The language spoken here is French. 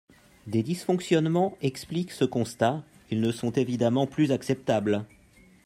Des dysfonctionnements expliquent ce constat, ils ne sont évidemment plus acceptables.